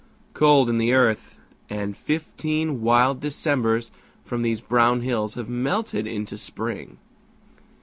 Cold in the earth, and fifteen wild Decembers From these brown hills have melted into Spring.